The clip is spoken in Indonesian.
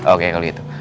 oke kalau gitu